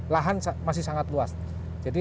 lahan masih sangat luas jadi